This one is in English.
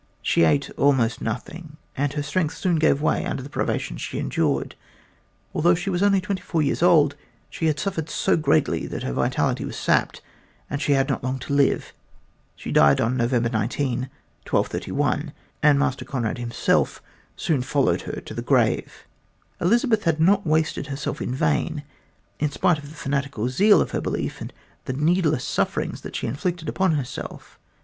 She ate almost nothing, and her strength soon gave way under the privations that she endured. Although she was only twenty four years old, she had suffered so greatly that her vitality was sapped and she had not long to live. She died on November 19, 1231, and Master Conrad himself soon followed her to the grave. Elizabeth had not wasted herself in vain, in spite of the fanatical zeal of her belief and the needless sufferings that she inflicted upon herself.